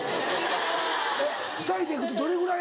えっ２人で行くとどれぐらい？